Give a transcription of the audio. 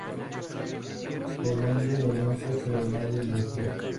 Por ende, la denuncia, pero nadie le cree.